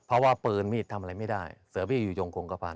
เพราะว่าปืนมีดทำอะไรไม่ได้เสือบี้อยู่ยงคงกระพันธ